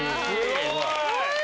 すごい！